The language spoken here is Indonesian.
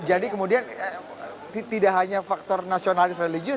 jadi kemudian tidak hanya faktor nasionalis religius